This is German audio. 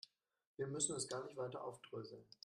Wir müssen es gar nicht weiter aufdröseln.